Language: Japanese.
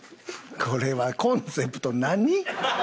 これはコンセプト何？